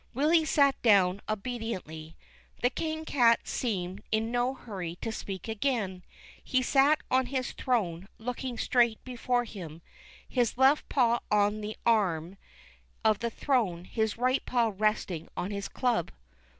Willy sat down obediently. The King Cat seemed in no hurry to speak again ; he sat on his throne looking straight before him, his left paw on the arm of the throne, his right paw resting on his club.